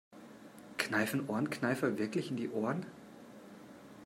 Kneifen Ohrenkneifer wirklich in die Ohren?